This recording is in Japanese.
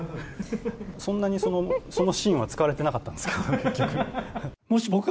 そんなに、そのシーンは使われてなかったんですけどね、逆に。